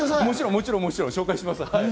もちろん、もちろん紹介します。